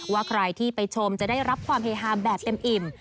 ว่าใครที่ไปชมจะได้รับความเฮฮาแบบเต็มอิ่ม